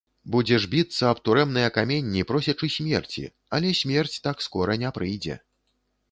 Будзеш біцца аб турэмныя каменні, просячы смерці, але смерць так скора не прыйдзе.